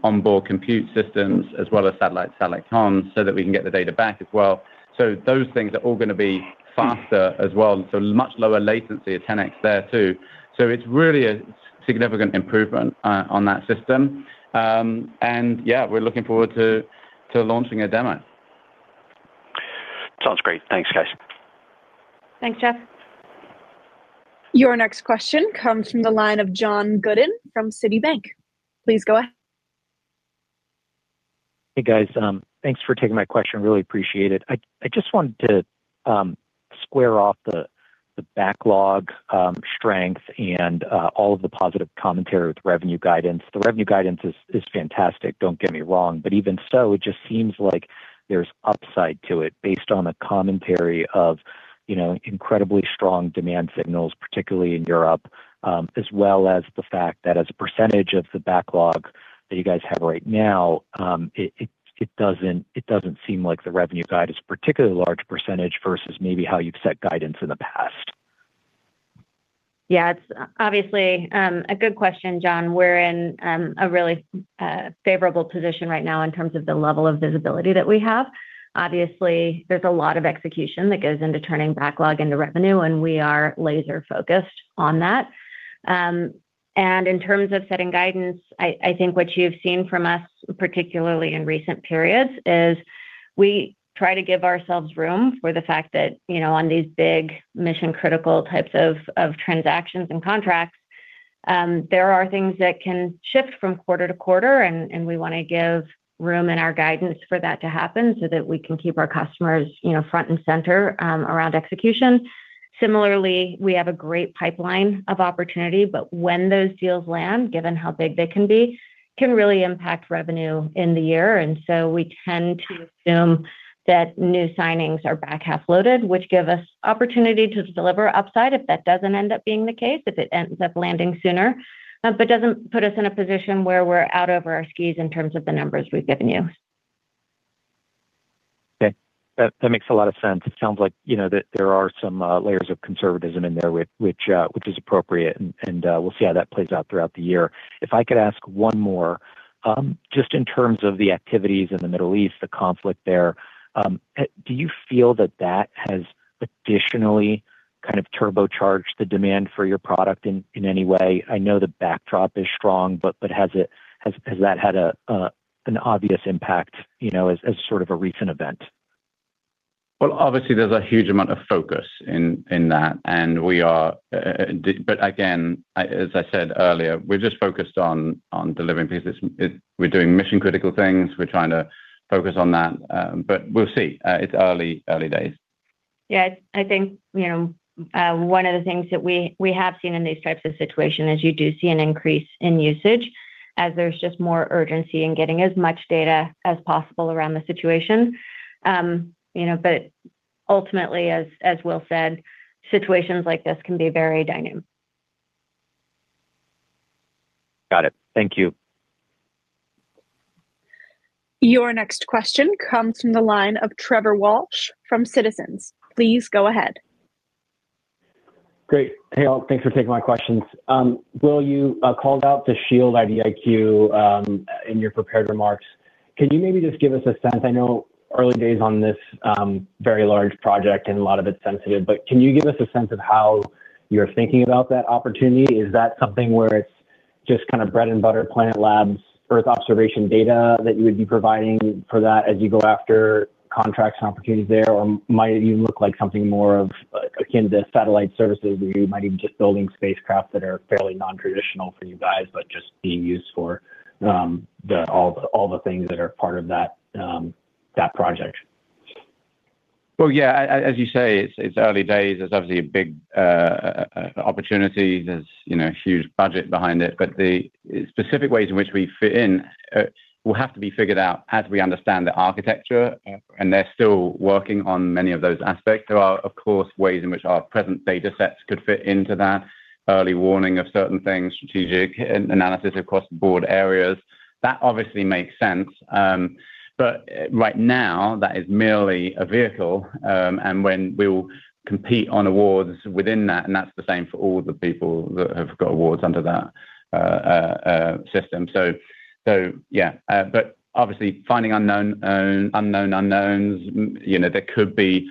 onboard compute systems as well as satellite-to-satellite comms so that we can get the data back as well. Those things are all gonna be faster as well, so much lower latency of 10x there too. It's really a significant improvement on that system. Yeah, we're looking forward to launching a demo. Sounds great. Thanks, guys. Thanks, Jeff. Your next question comes from the line of John Gooden from Citibank. Please go ahead. Hey, guys. Thanks for taking my question. Really appreciate it. I just wanted to square off the backlog strength and all of the positive commentary with revenue guidance. The revenue guidance is fantastic, don't get me wrong, but even so, it just seems like there's upside to it based on the commentary of, you know, incredibly strong demand signals, particularly in Europe, as well as the fact that as a percentage of the backlog that you guys have right now, it doesn't seem like the revenue guide is particularly large percentage versus maybe how you've set guidance in the past. Yeah. It's obviously a good question, John. We're in a really favorable position right now in terms of the level of visibility that we have. Obviously, there's a lot of execution that goes into turning backlog into revenue, and we are laser-focused on that. In terms of setting guidance, I think what you've seen from us, particularly in recent periods, is we try to give ourselves room for the fact that, you know, on these big mission-critical types of transactions and contracts, there are things that can shift from quarter to quarter, and we wanna give room in our guidance for that to happen so that we can keep our customers, you know, front and center, around execution. Similarly, we have a great pipeline of opportunity, but when those deals land, given how big they can be, can really impact revenue in the year. We tend to assume that new signings are back-half loaded, which give us opportunity to deliver upside if that doesn't end up being the case, if it ends up landing sooner. Doesn't put us in a position where we're out over our skis in terms of the numbers we've given you. Okay. That makes a lot of sense. It sounds like, you know, that there are some layers of conservatism in there which is appropriate, and we'll see how that plays out throughout the year. If I could ask one more. Just in terms of the activities in the Middle East, the conflict there, do you feel that has additionally kind of turbocharged the demand for your product in any way? I know the backdrop is strong, but has that had an obvious impact, you know, as sort of a recent event? Well, obviously, there's a huge amount of focus in that. Again, as I said earlier, we're just focused on delivering pieces. We're doing mission-critical things. We're trying to focus on that. We'll see. It's early days. Yeah. I think, you know, one of the things that we have seen in these types of situation is you do see an increase in usage as there's just more urgency in getting as much data as possible around the situation. You know, ultimately, as Will said, situations like this can be very dynamic. Got it. Thank you. Your next question comes from the line of Trevor Walsh from Citizens. Please go ahead. Great. Hey, all. Thanks for taking my questions. Will, you called out the SHIELD IDIQ in your prepared remarks. Could you maybe just give us a sense? I know early days on this, very large project, and a lot of it's sensitive, but can you give us a sense of how you're thinking about that opportunity? Is that something where it's just kind of bread and butter Planet Labs Earth observation data that you would be providing for that as you go after contracts and opportunities there? Or might it even look like something more akin to satellite services, where you might even just building spacecraft that are fairly non-traditional for you guys, but just being used for all the things that are part of that project? Well, yeah. As you say, it's early days. There's obviously a big opportunity. There's you know, huge budget behind it. The specific ways in which we fit in will have to be figured out as we understand the architecture, and they're still working on many of those aspects. There are, of course, ways in which our present data sets could fit into that early warning of certain things, strategic analysis across broad areas. That obviously makes sense. Right now, that is merely a vehicle, and then we'll compete on awards within that, and that's the same for all the people that have got awards under that system. Yeah. Obviously finding unknown unknowns, you know, there could be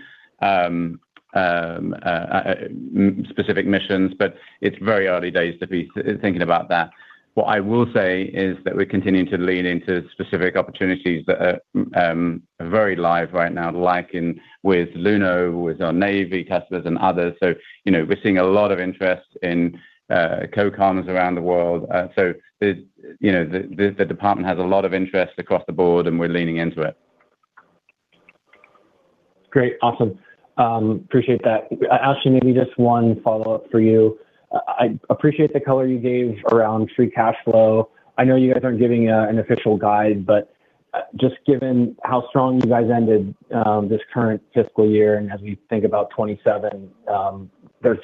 specific missions, but it's very early days to be thinking about that. What I will say is that we're continuing to lean into specific opportunities that are very live right now, like in with INDOPACOM, with our Navy customers and others. You know, we're seeing a lot of interest in COCOMs around the world. The department has a lot of interest across the board, and we're leaning into it. Great. Awesome. Appreciate that. Ashley, maybe just one follow-up for you. I appreciate the color you gave around free cash flow. I know you guys aren't giving an official guide, but just given how strong you guys ended this current fiscal year and as we think about 2027, there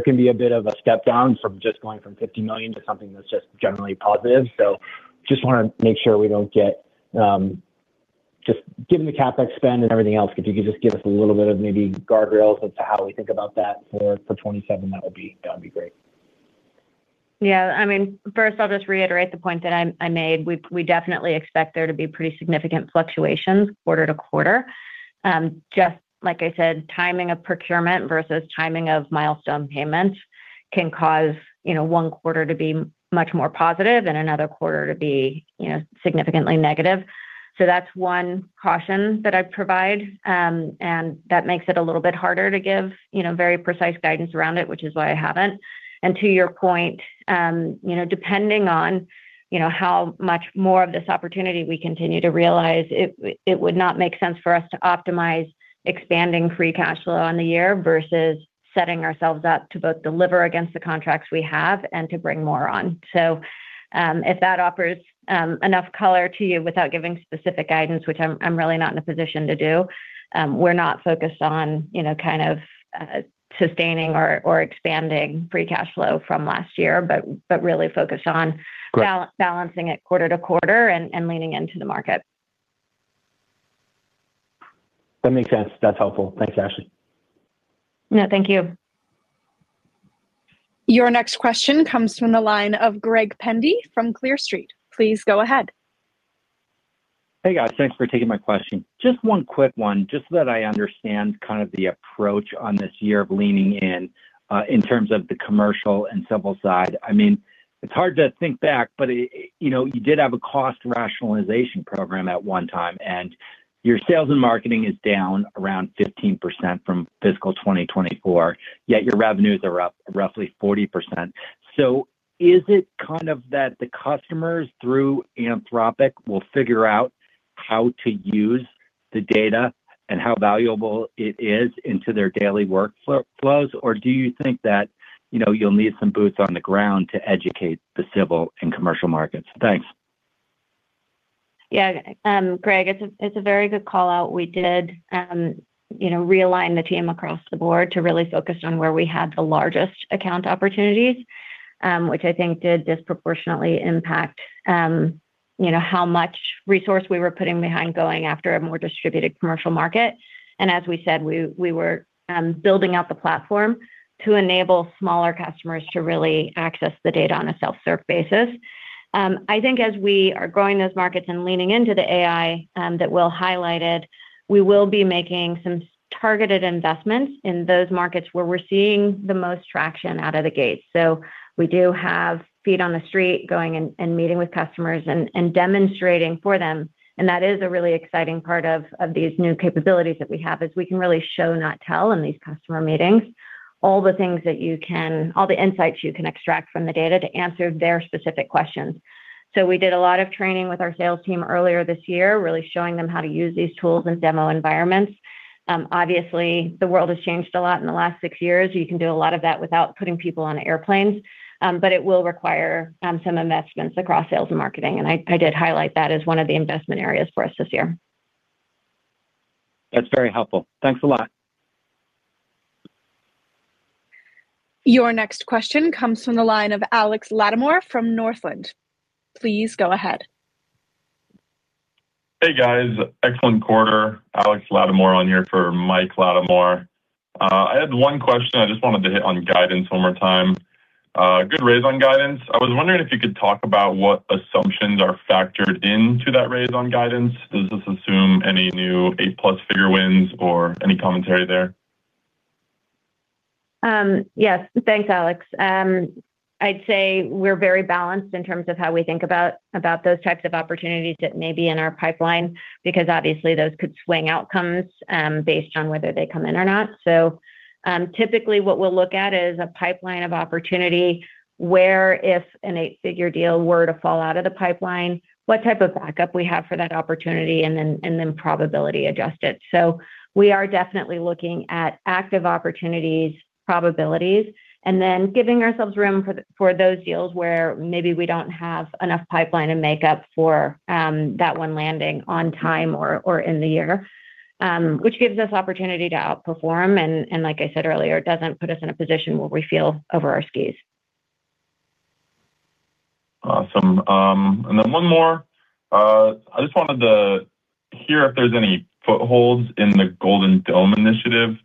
can be a bit of a step down from just going from $50 million to something that's just generally positive. So just wanna make sure we don't get just given the CapEx spend and everything else, if you could just give us a little bit of maybe guardrails as to how we think about that for 2027, that would be great. Yeah. I mean, first I'll just reiterate the point that I made. We definitely expect there to be pretty significant fluctuations quarter to quarter. Just like I said, timing of procurement versus timing of milestone payments can cause, you know, one quarter to be much more positive and another quarter to be, you know, significantly negative. That's one caution that I provide. That makes it a little bit harder to give, you know, very precise guidance around it, which is why I haven't. To your point, you know, depending on, you know, how much more of this opportunity we continue to realize, it would not make sense for us to optimize expanding free cash flow on the year versus setting ourselves up to both deliver against the contracts we have and to bring more on. If that offers enough color to you without giving specific guidance, which I'm really not in a position to do, we're not focused on, you know, kind of, sustaining or expanding free cash flow from last year, but really focused on. Great balancing it quarter to quarter and leaning into the market. That makes sense. That's helpful. Thanks, Ashley. Yeah. Thank you. Your next question comes from the line of Greg Pendy from Clear Street. Please go ahead. Hey guys, thanks for taking my question. Just one quick one just so that I understand kind of the approach on this year of leaning in in terms of the commercial and civil side. I mean, it's hard to think back, but it you know, you did have a cost rationalization program at one time, and your sales and marketing is down around 15% from fiscal 2024, yet your revenues are up roughly 40%. Is it kind of that the customers through Anthropic will figure out how to use the data and how valuable it is into their daily workflows? Or do you think that you know, you'll need some boots on the ground to educate the civil and commercial markets? Thanks. Yeah. Greg, it's a very good call-out. We did, you know, realign the team across the board to really focus on where we had the largest account opportunities, which I think did disproportionately impact, you know, how much resource we were putting behind going after a more distributed commercial market. As we said, we were building out the platform to enable smaller customers to really access the data on a self-serve basis. I think as we are growing those markets and leaning into the AI that Will highlighted, we will be making some targeted investments in those markets where we're seeing the most traction out of the gate. We do have feet on the street going and meeting with customers and demonstrating for them. That is a really exciting part of these new capabilities that we have, is we can really show not tell in these customer meetings all the insights you can extract from the data to answer their specific questions. We did a lot of training with our sales team earlier this year, really showing them how to use these tools in demo environments. Obviously, the world has changed a lot in the last six years. You can do a lot of that without putting people on airplanes. But it will require some investments across sales and marketing. I did highlight that as one of the investment areas for us this year. That's very helpful. Thanks a lot. Your next question comes from the line of Alex Latimore from Northland. Please go ahead. Hey, guys. Excellent quarter. Alex Latimore here for Michael Latimore. I had one question. I just wanted to hit on guidance one more time. Good raise on guidance. I was wondering if you could talk about what assumptions are factored into that raise on guidance. Does this assume any new eight-plus figure wins or any commentary there? Yes. Thanks, Alex. I'd say we're very balanced in terms of how we think about about those types of opportunities that may be in our pipeline, because obviously those could swing outcomes based on whether they come in or not. Typically what we'll look at is a pipeline of opportunity where if an eight-figure deal were to fall out of the pipeline, what type of backup we have for that opportunity and then probability adjust it. We are definitely looking at active opportunities, probabilities, and then giving ourselves room for those deals where maybe we don't have enough pipeline and make up for that one landing on time or in the year, which gives us opportunity to outperform. Like I said earlier, it doesn't put us in a position where we feel over our skis. Awesome. One more. I just wanted to hear if there's any footholds in the Golden Dome initiative.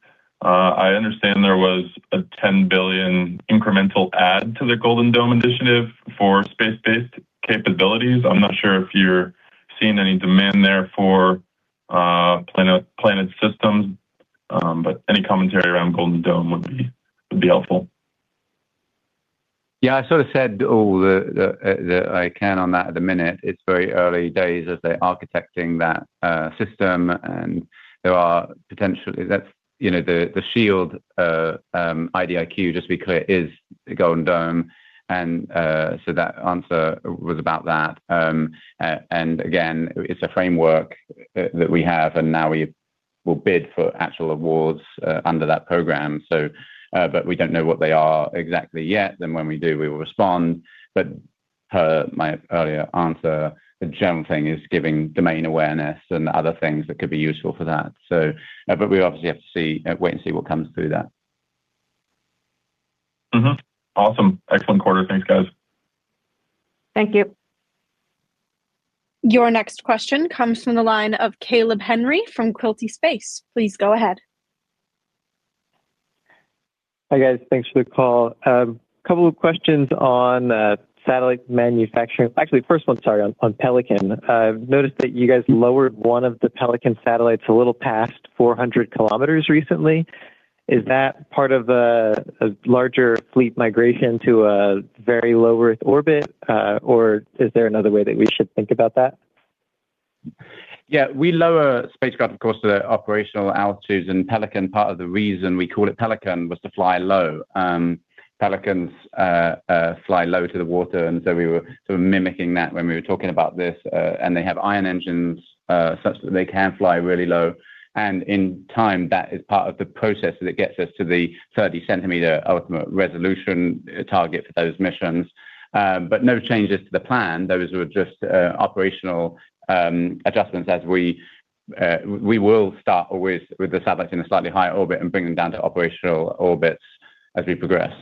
I understand there was a $10 billion incremental add to the Golden Dome initiative for space-based capabilities. I'm not sure if you're seeing any demand there for Planet systems. Any commentary around Golden Dome would be helpful. Yeah. I sort of said all that I can on that at the minute. It's very early days as they're architecting that system, and there are potentially. That's, you know, the SHIELD IDIQ, just to be clear, is Golden Dome. That answer was about that. Again, it's a framework that we have, and now we will bid for actual awards under that program. We don't know what they are exactly yet. When we do, we will respond. Per my earlier answer, the general thing is giving domain awareness and other things that could be useful for that. We obviously have to see, wait and see what comes through that. Mm-hmm. Awesome. Excellent quarter. Thanks, guys. Thank you. Your next question comes from the line of Caleb Henry from Quilty Space. Please go ahead. Hi, guys. Thanks for the call. Couple of questions on satellite manufacturing. Actually, first one, sorry, on Pelican. I've noticed that you guys lowered one of the Pelican satellites a little past 400 kilometers recently. Is that part of a larger fleet migration to a very low Earth orbit, or is there another way that we should think about that? Yeah. We lower spacecraft, of course, to the operational altitudes. Pelican, part of the reason we call it Pelican was to fly low. Pelicans fly low to the water, and so we were sort of mimicking that when we were talking about this. They have ion engines such that they can fly really low. In time, that is part of the process that gets us to the 30 centimeter ultimate resolution target for those missions. But no changes to the plan. Those were just operational adjustments as we will start always with the satellites in a slightly higher orbit and bring them down to operational orbits as we progress.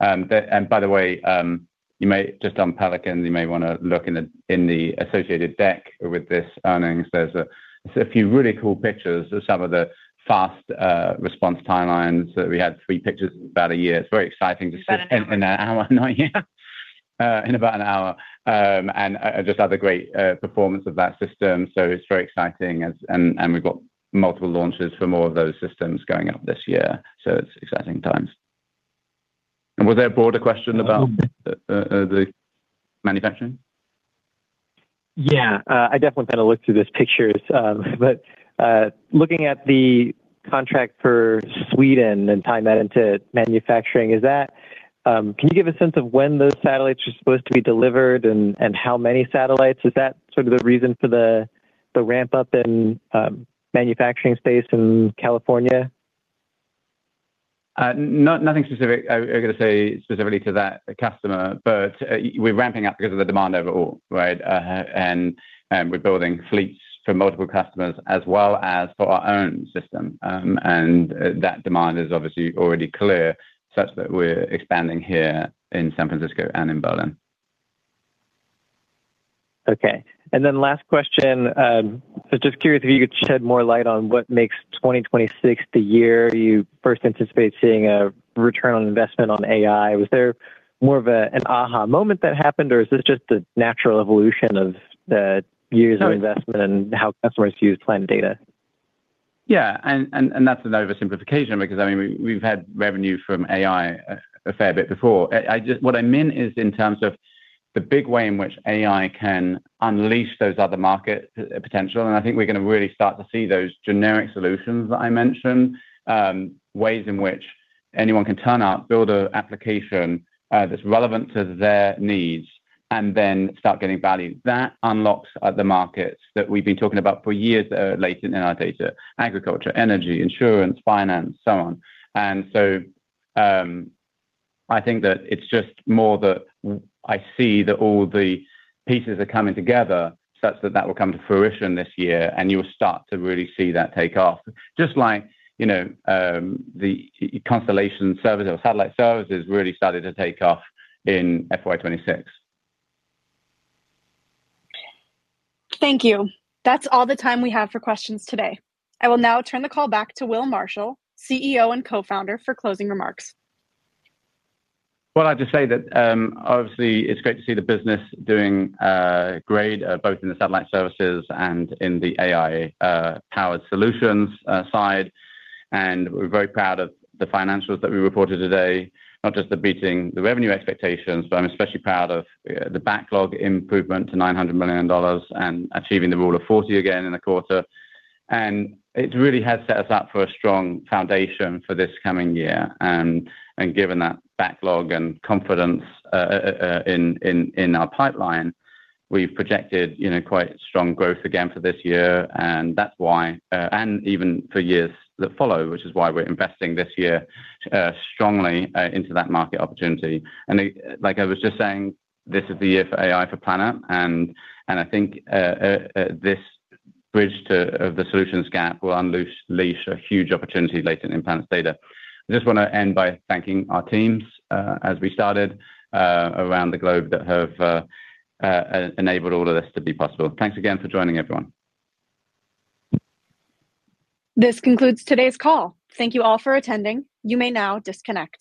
By the way, you may just on Pelican, you may wanna look in the associated deck with this earnings. There's a few really cool pictures of some of the fast response timelines that we had three pictures in about a year. It's very exciting to see. Seven hours in an hour. No, yeah. In about an hour. I just had the great performance of that system, so it's very exciting and we've got multiple launches for more of those systems going out this year, so it's exciting times. Was there a broader question about the manufacturing? Yeah. I definitely kinda looked through those pictures. Looking at the contract for Sweden and tying that into manufacturing, is that, can you give a sense of when those satellites are supposed to be delivered and how many satellites? Is that sort of the reason for the ramp up in manufacturing space in California? Nothing specific I gotta say specifically to that customer, but we're ramping up because of the demand overall, right? We're building fleets for multiple customers as well as for our own system. That demand is obviously already clear, such that we're expanding here in San Francisco and in Berlin. Okay. Last question, I was just curious if you could shed more light on what makes 2026 the year you first anticipate seeing a return on investment on AI. Was there more of an aha moment that happened or is this just the natural evolution of the years of investment and how customers use Planet data? Yeah, that's an oversimplification because, I mean, we've had revenue from AI a fair bit before. What I meant is in terms of the big way in which AI can unleash those other market potential, and I think we're gonna really start to see those generic solutions that I mentioned, ways in which anyone can turn up, build a application, that's relevant to their needs and then start getting value. That unlocks other markets that we've been talking about for years that are latent in our data, agriculture, energy, insurance, finance, so on. I think that it's just more that I see that all the pieces are coming together such that that will come to fruition this year and you'll start to really see that take off. Just like, you know, the constellation services or satellite services really started to take off in FY 2026. Thank you. That's all the time we have for questions today. I will now turn the call back to Will Marshall, CEO and Co-Founder, for closing remarks. Well, I'll just say that, obviously it's great to see the business doing great, both in the satellite services and in the AI powered solutions side. We're very proud of the financials that we reported today, not just the beating the revenue expectations, but I'm especially proud of the backlog improvement to $900 million and achieving the Rule of 40 again in a quarter. It really has set us up for a strong foundation for this coming year. Given that backlog and confidence in our pipeline, we've projected, you know, quite strong growth again for this year, and that's why, and even for years that follow, which is why we're investing this year, strongly, into that market opportunity. Like I was just saying, this is the year for AI for Planet and I think this bridge of the solutions gap will unleash a huge opportunity latent in Planet's data. I just wanna end by thanking our teams as we started around the globe that have enabled all of this to be possible. Thanks again for joining, everyone. This concludes today's call. Thank you all for attending. You may now disconnect.